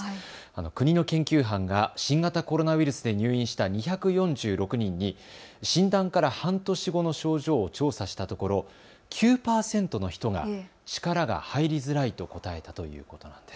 国の研究班が新型コロナウイルスで入院した２４６人に診断から半年後の症状を調査したところ９％の人が力が入りづらいと答えたということです。